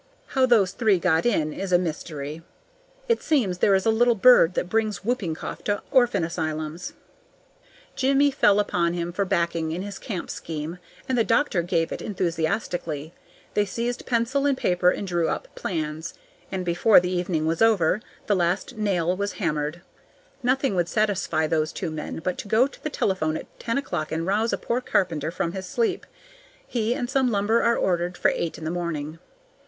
How those three got in is a mystery. It seems there is a little bird that brings whooping cough to orphan asylums. Jimmie fell upon him for backing in his camp scheme, and the doctor gave it enthusiastically. They seized pencil and paper and drew up plans. And before the evening was over, the last nail was hammered. Nothing would satisfy those two men but to go to the telephone at ten o'clock and rouse a poor carpenter from his sleep. He and some lumber are ordered for eight in the morning.